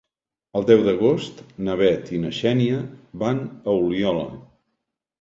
El deu d'agost na Bet i na Xènia van a Oliola.